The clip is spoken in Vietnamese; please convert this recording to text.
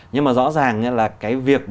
nhưng mà rõ ràng là cái việc